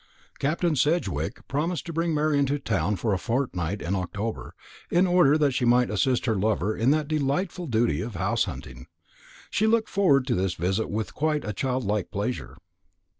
Captain Sedgewick promised to bring Marian to town for a fortnight in October, in order that she might assist her lover in that delightful duty of house hunting. She looked forward to this visit with quite a childlike pleasure.